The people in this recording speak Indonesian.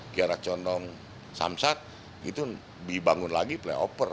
kiarak condong samsat gitu dibangun lagi flyover